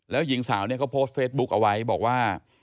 แล้วหญิงสาวเนี่ยเขาโพสต์เฟซบุ๊กเอาไว้บอกว่า